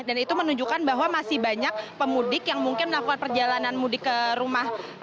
dan itu menunjukkan bahwa masih banyak pemudik yang mungkin melakukan perjalanan mudik ke rumah